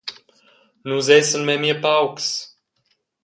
Nus essan memia paucs.